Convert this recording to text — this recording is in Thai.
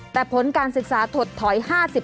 แต่ผลการศึกษาถดถอย๕๐